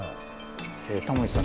タモリさん